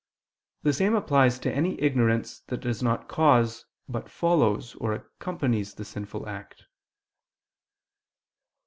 The same applies to any ignorance that does not cause, but follows or accompanies the sinful act.